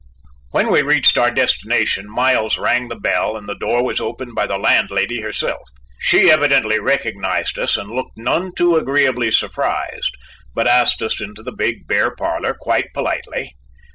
When we reached our destination, Miles rang the bell and the door was opened by the landlady herself. She evidently recognized us and looked none too agreeably surprised, but asked us into the big bare parlor, quite politely.